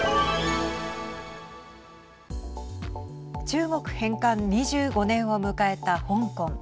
中国返還２５年を迎えた香港。